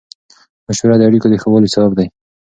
مشوره د اړیکو د ښه والي سبب دی.